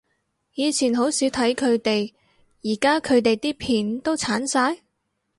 以前好少睇佢哋，而家佢哋啲片都剷晒？